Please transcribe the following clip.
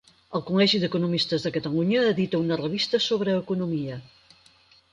El Col·legi d'Economistes de Catalunya edita una revista sobre economia.